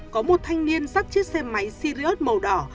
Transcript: có một thanh niên sắc chiếc xe máy sirius màu đỏ